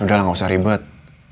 udah lah gak usah ribet